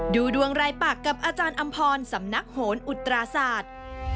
ดูดวงรายปากกับอาจารย์อำพรสำนักโหนอุตราศาสตร์